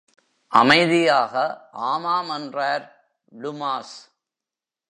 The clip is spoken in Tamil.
அமைதியாக, ஆமாம் என்றார் டுமாஸ்.